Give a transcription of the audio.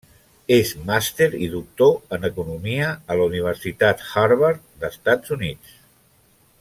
És Màster i Doctor en Economia a la Universitat Harvard, Estats Units.